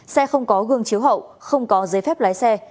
xe không có gương chiếu hậu không có giấy phép lái xe